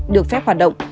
được phép hoạt động